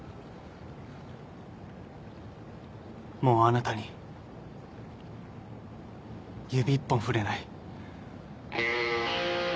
もうあなたに指一本触れない。